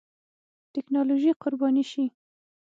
ټېکنالوژي قرباني شي.